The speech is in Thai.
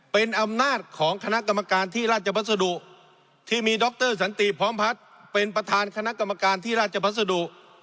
เป็นอำนาจของคณะกรรมการที่ราชพัสดุที่มีดรสันติพร้อมพัฒน์เป็นประธานคณะกรรมการที่ราชพัสดุ